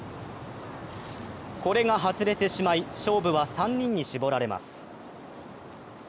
これが外れてしまい、勝負は３人に絞られます。